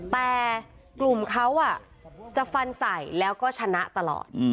แต่กลุ่มเขาจะฟันใส่แล้วก็ชนะตลอด